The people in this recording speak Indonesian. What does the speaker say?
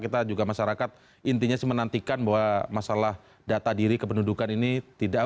kita juga masyarakat intinya sih menantikan bahwa masalah data diri kependudukan ini tidak